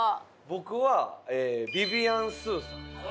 僕はビビアン・スーさん。